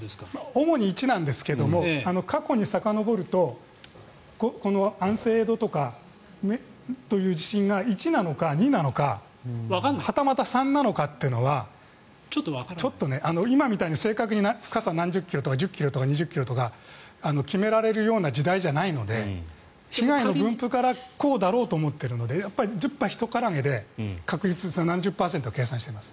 主に１なんですが過去にさかのぼるとこの安政江戸とかの地震が１なのか２なのかはたまた３なのかというのはちょっと今みたいに正確に深さ何十キロとか決められるような時代じゃないので被害の分布からこうだろうと思っているので十把一絡げで確率何十パーセントと計算しています。